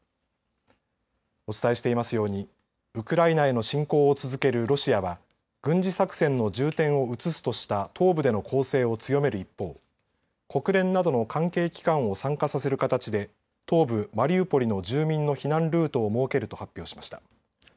お伝えしていますようにウクライナへの侵攻を続けるロシアは軍事作戦の重点を移すとした東部での攻勢を強める一方、国連などの関係機関を参加させる形で東部マリウポリの住民の避難ルートを設けると発表しました。